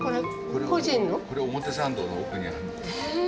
これ表参道の奥にある。